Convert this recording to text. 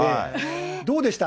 どうでした？